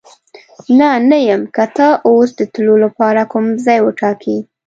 نه، نه یم، که ته اوس د تلو لپاره کوم ځای وټاکې.